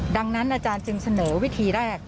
ดังนั้นอาจารย์จึงเสนอวิธีแรก